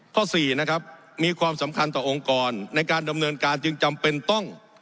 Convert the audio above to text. ข้อสี่นะครับมีความสำคัญต่อองค์กรในการดำเนินการจึงจำเป็นต้อง